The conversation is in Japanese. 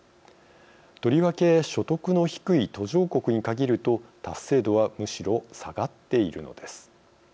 とりわけ所得の低い途上国に限ると達成度はむしろ下がっているのです。